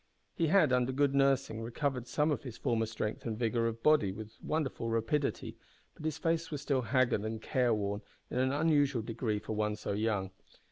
He had, under good nursing, recovered some of his former strength and vigour of body with wonderful rapidity, but his face was still haggard and careworn in an unusual degree for one so young.